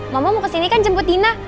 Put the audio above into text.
mama mau ke sini kan jemput dina